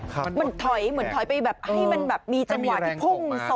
เหมือนถอยไปแบบให้มันมีจังหวะที่พุ่งส่ง